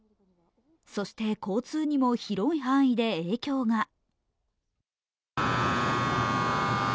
そして交通にも広い範囲で影響が。